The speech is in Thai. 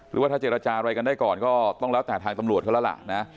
หรือว่าถ้าเจรจาอะไรกันได้ก่อนก็ต้องแล้วแต่ทางตำรวจเขาแล้วล่ะนะ